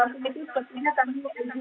sepertinya kami berjalan